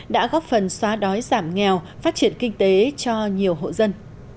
đã góp phần xóa đói giảm nghèo phát triển kinh tế cho nhiều hộ dân